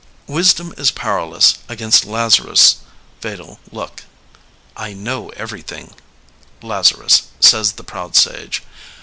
'' Wisdom is powerless against Lazarus' fatal look. '^ 'I know everything, Lazarus,' says the proud sage.